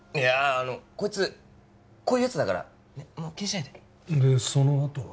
あのこいつこういうやつだからねっもう気にしないででそのあとは？